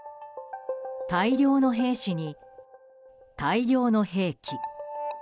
大量の兵士に、大量の兵器。